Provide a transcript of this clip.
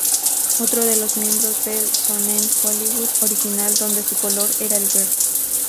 Otro de los miembros del Shōnen Hollywood original, donde su color era el verde.